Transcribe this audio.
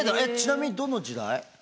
えっちなみにどの時代？